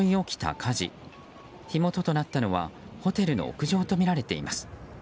火元となったのはホテルの屋上とみられています。